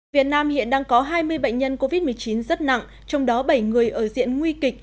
việt nam hiện đang có hai mươi bệnh nhân covid một mươi chín rất nặng trong đó bảy người ở diện nguy kịch